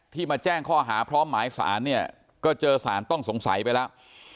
มาแจ้งข้อหาพร้อมหมายสารเนี่ยก็เจอสารต้องสงสัยไปแล้ว